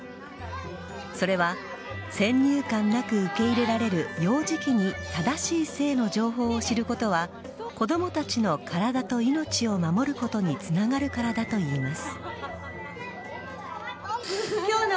それは先入観なく受け入れられる幼児期に正しい性の情報を知ることは子供たちの体と命を守ることにつながるからだといいます。